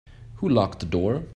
Who locked the door?